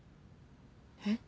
えっ？